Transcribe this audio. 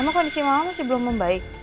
emang kondisi mama masih belum membaik